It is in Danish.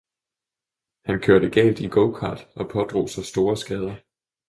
Han kørte galt i gokart og pådrog sig store skader.